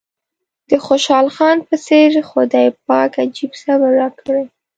د خوشحال خان په څېر خدای پاک عجيب صبر راکړی.